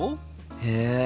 へえ。